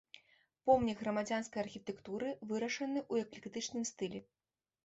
Помнік грамадзянскай архітэктуры, вырашаны ў эклектычным стылі.